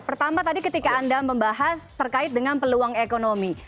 pertama tadi ketika anda membahas terkait dengan peluang ekonomi